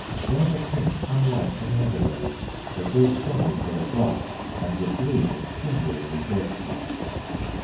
They have a tint unlike any other rose; they grow strongly for their class, and the bloom is singularly graceful.